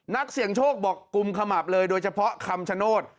นักเสี่ยงโชคบอกกุมขมับเลยโดยเฉพาะคำชโนธ